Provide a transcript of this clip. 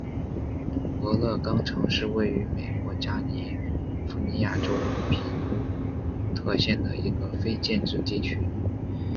俄勒冈城是位于美国加利福尼亚州比尤特县的一个非建制地区。